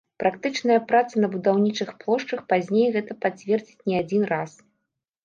Практычная праца на будаўнічых плошчах пазней гэта пацвердзіць не адзін раз.